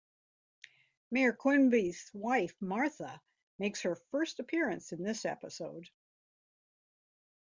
Mayor Quimby's wife Martha makes her first appearance in this episode.